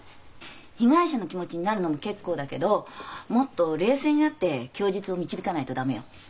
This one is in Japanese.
被害者の気持ちになるのも結構だけどもっと冷静になって供述を導かないと駄目よ。